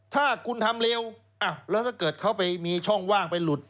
ถ้าคุณทำเร็วแล้วถ้าเกิดเขาไปมีช่องว่างไปหลุด